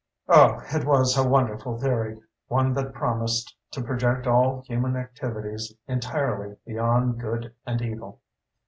Oh, it was a wonderful theory, one that promised to project all human activities entirely beyond good and evil.